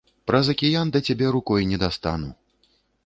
Праз акіян да цябе рукой не дастану.